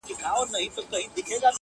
څنگه دي وستايمه!!